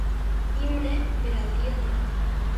Himne per al dia de Nadal.